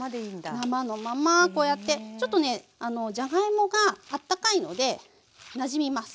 生のままこうやってちょっとねじゃがいもがあったかいのでなじみます。